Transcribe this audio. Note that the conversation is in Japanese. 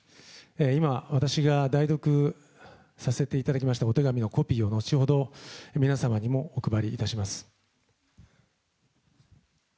今、私が代読させていただきましたお手紙のコピーを後ほど皆様にもお配りいたします。